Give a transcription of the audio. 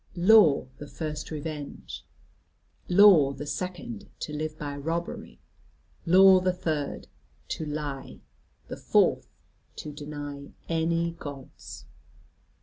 "Law the first revenge. Law the second to live by robbery. Law the third to lie. The fourth to deny any Gods."